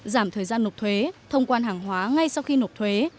giảm thời gian nộp thuế thông quan hàng hóa ngay sau khi nộp thuế